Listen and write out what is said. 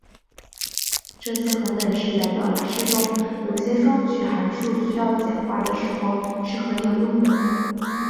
这些恒等式在表达式中有些双曲函数需要简化的时候是很有用的。